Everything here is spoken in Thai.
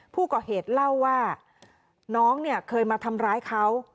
ผู้ก่อเหตุเล่าว่าน้องเนี่ยเคยมาทำร้ายเขา